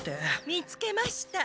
見つけました。